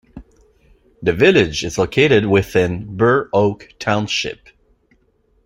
The village is located within Burr Oak Township.